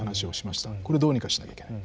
これどうにかしなきゃいけない。